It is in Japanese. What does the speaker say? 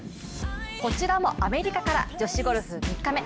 こちらもアメリカから女子ゴルフ３日目。